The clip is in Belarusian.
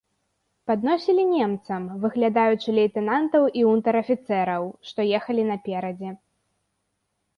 Падносілі немцам, выглядаючы лейтэнантаў і унтэр-афіцэраў, што ехалі наперадзе.